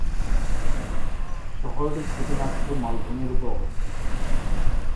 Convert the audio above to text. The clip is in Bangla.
শহরটি ছোটনাগপুর মালভূমির উপর অবস্থিত।